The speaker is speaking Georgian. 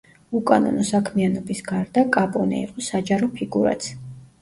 უკანონო საქმიანობის გარდა, კაპონე იყო საჯარო ფიგურაც.